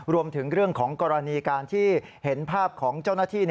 รวมถึงเรื่องของกรณีการที่เห็นภาพของเจ้าหน้าที่